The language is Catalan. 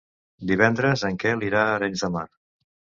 Divendres en Quel irà a Arenys de Mar.